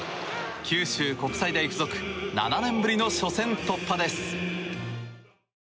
九州国際大付属７年ぶりの初戦突破です。